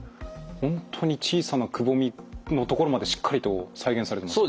本当に小さなくぼみの所までしっかりと再現されるんですね。